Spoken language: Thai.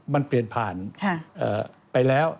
มันเปลี่ยนผ่านไปแล้ว